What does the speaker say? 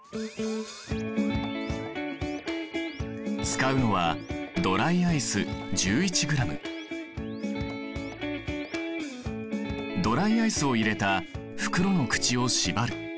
使うのはドライアイスを入れた袋の口を縛る。